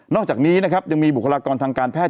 นอกจากนี้ยังมีบุคลากรทางการแพทย์